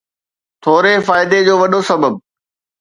ٿوري فائدي جو وڏو سبب